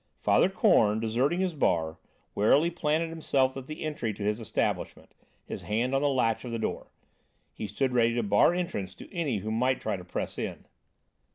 Father Korn, deserting his bar, warily planted himself at the entry to his establishment, his hand on the latch of the door. He stood ready to bar entrance to any who might try to press in.